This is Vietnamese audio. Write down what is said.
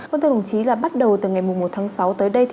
vâng thưa đồng chí là bắt đầu từ ngày một tháng sáu tới đây